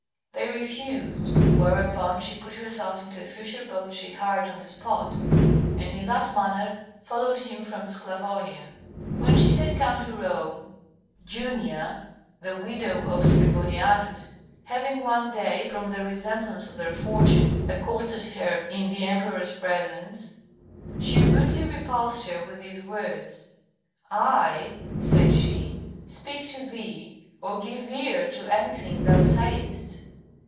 They refused, whereupon she put herself into a fisher boat she hired on the spot, and in that manner followed him from Sclavonia. When she had come to Rome, Junia, the widow of Scribonianus, having one day, from the resemblance of their fortune, accosted her in the Emperor's presence; she rudely repulsed her with these words, "I," said she, "speak to thee, or give ear to any thing thou sayest!